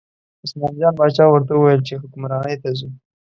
عثمان جان باچا ورته وویل چې حکمرانۍ ته ځو.